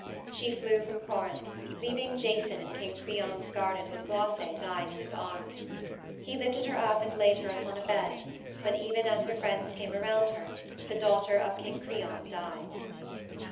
She flew from Corinth, leaving Jason in King Creon's garden with Glauce dying in his arms. He lifted her up and laid her upon a bed, but even as her friends came around her the daughter of King Creon died.